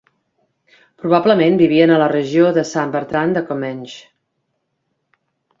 Probablement vivien a la regió de Sant Bertran de Comenge.